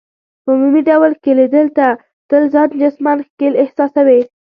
په عمومي ډول ښکیلېدل، ته تل ځان جسماً ښکېل احساسوې.